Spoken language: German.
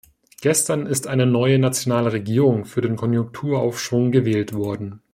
Gestern ist eine neue nationale Regierung für den Konjunkturaufschwung gewählt worden.